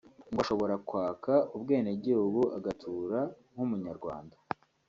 ngo ashobora kwaka ubwenegihugu agatura nk’umunyarwanda